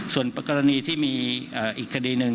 ส่วนกรณีที่มีอีกคดีหนึ่ง